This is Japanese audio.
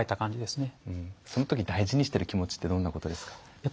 その時大事にしてる気持ちってどんなことですか？